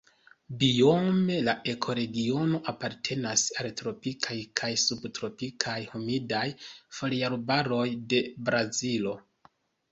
Biome la ekoregiono apartenas al tropikaj kaj subtropikaj humidaj foliarbaroj de Brazilo.